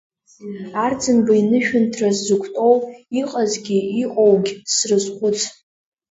Арӡынба инышәынҭра сзықәтәоу, иҟазгьы иҟоугь срызхәыц.